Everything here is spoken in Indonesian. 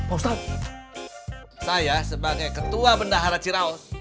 pak ustadz saya sebagai ketua bendahara secieros